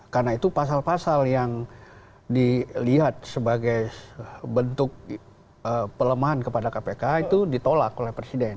karena itu pasal pasal yang dilihat sebagai bentuk pelemahan kepada kpk itu ditolak oleh presiden